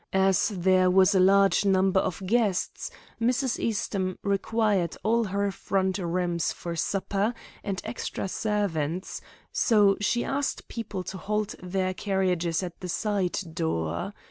As there was a large number of guests, Mrs. Eastham required all her front rooms for supper and extra servants, so she asked people to halt their carriages at the side door.